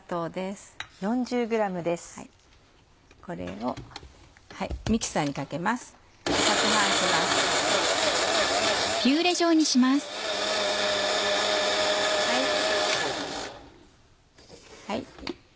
はい。